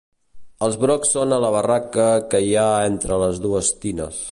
Els brocs són a la barraca que hi ha entre les dues tines.